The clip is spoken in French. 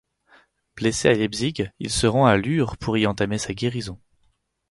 Blessé à Leipzig, il se rend à Lure pour y entamer sa guérison.